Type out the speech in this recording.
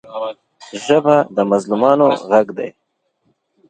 ژبه د مظلومانو غږ دی